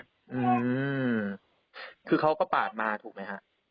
อืมคือเขาก็ปาดมาถูกไหมฮะ